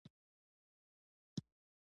• اقتصادونه چټک پراخ شول.